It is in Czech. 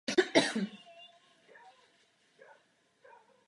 Zvláštní důraz je opět kladen na hospodářsky významné druhy.